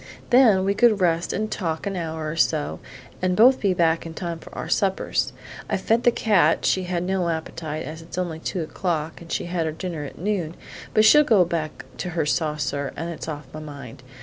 Then we could rest and talk an hour or so, and both be back in time for our suppers. I've fed the cat; she had no appetite, as it's only two o'clock and she had her dinner at noon, but she'll go back to her saucer, and it's off my mind.